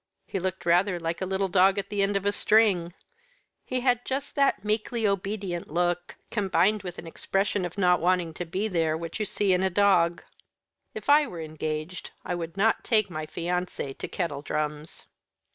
He looked rather like a little dog at the end of a string; he had just that meekly obedient look, combined with an expression of not wanting to be there, which you see in a dog. If I were engaged, I would not take my fiancée to kettledrums."